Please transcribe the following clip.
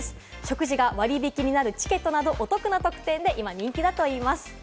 食事が割引になるチケットなど、お得な特典で今人気だというんです。